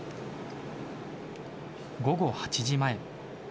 午後８時前。